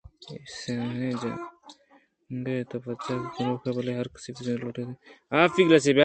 اے سیاہیں جنگ ءَ تو پرچاکہ گنوکے بلئے ہرکسی وتی پسند ءُ لوٹ اَنت منی دل ءَ اے چو جنگلی سیاہیں پِشّی ءَ اِنت